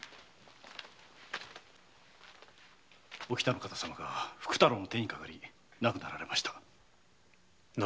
お喜多の方様が福太郎の手にかかり亡くなられました。